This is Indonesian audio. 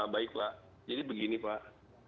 baik pak jadi begini pak